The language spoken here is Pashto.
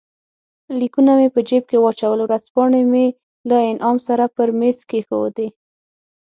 لیکونه مې په جېب کې واچول، ورځپاڼې مې له انعام سره پر مېز کښېښودې.